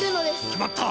きまった！